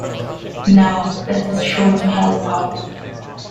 Now that is sure to help her!